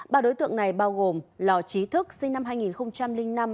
ba đối tượng này bao gồm lò trí thức sinh năm hai nghìn năm